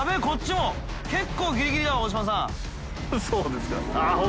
そうですか？